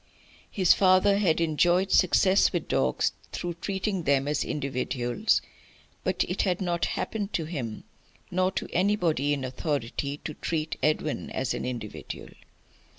His father had enjoyed success with dogs through treating them as individuals. But it had not happened to him, nor to anybody in authority, to treat Edwin as an individual.